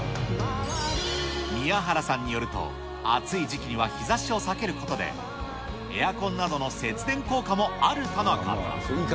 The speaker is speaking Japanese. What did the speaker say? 宮原さんによると、暑い時期には日ざしを避けることで、エアコンなどの節電効果もあるとのこと。